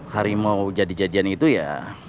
harimau jadi jajan itu ya